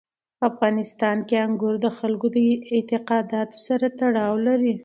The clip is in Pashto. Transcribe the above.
په افغانستان کې انګور د خلکو د اعتقاداتو سره تړاو لري.